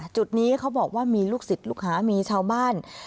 จุดนี้เขาบอกว่ามีลูกศิษย์ลูกหามีชาวบ้าน